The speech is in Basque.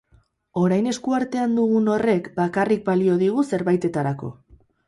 Orain eskuartean dugun horrek bakarrik balio digu zerbaitetarako.